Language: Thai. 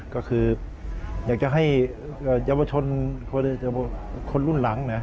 ก็คืออยากจะให้เยาวชนคนรุ่นหลัง